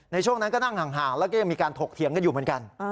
ในช่วงนั้นก็นั่งห่างแล้วก็ยังมีการถกเถียงกันอยู่เหมือนกัน